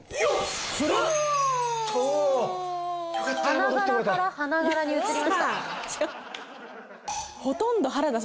花柄から花柄に移りました。